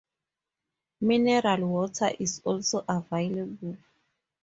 Mineral water is also available.